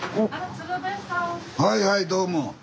はいはいどうも。